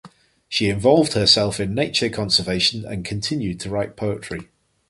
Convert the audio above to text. She involved herself in nature conservation and continued to write poetry.